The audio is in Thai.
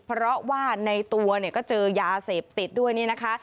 เพราะว่าในตัวเนี่ยก็เจอยาเสพติดด้วยนี่นะคะ